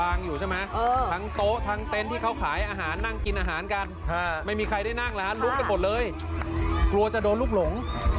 คนนี่แหงตะโต๊ะทั้งโท๊ะทั่งทั้งเรียนเข้าขายอาหารนั่งกินอาหารกันไม่มีใครได้นั่งลุกไปหมดเลย